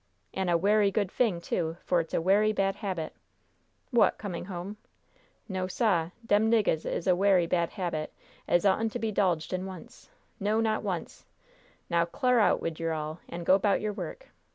"An' a werry good fing, too, for it's a werry bad habit." "What, coming home?" "No, sah. Dem niggahs is a werry bad habit as oughtn't to be 'dulged in once no, not once. Now cl'ar out wid yer all, an' go 'bout yer work."